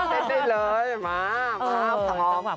เต้นได้เลยมาสังหรับ